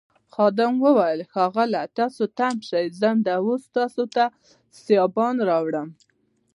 خادم وویل ښاغلیه تاسي تم شئ زه همدا اوس تاسي ته سایبان راوړم.